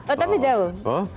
oh tapi jauh